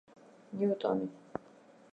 ნიუტონი